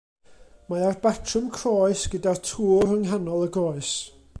Mae ar batrwm croes, gyda'r tŵr yng nghanol y groes.